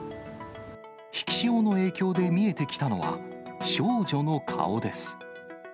引き潮の影響で見えてきたのは、少女の顔です。